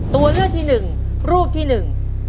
ตัวเลือกที่หนึ่งรูปที่หนึ่ง